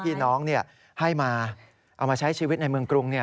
ที่น้องให้มาเอามาใช้ชีวิตในเมืองกรุง